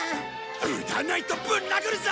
打たないとぶん殴るぞ！